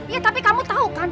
ya tapi kamu tahu kan